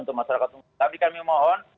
untuk masyarakat umum tapi kami mohon